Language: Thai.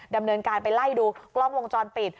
ดำเนินการไปไล่ดูกล้องวงจรปิด